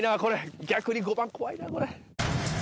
逆に５番怖いなこれ。